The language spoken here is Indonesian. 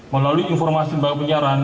melalui informasi tentang penyiaran